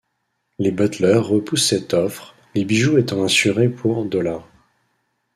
Les Butler repoussent cette offre, les bijoux étant assurés pour $.